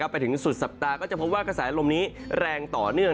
ไปถึงสุดสัปดาห์ก็จะพบว่ากระแสลมนี้แรงต่อเนื่อง